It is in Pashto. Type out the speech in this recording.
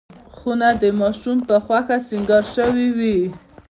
خونه د ماشوم په خوښه سینګار شوې وي.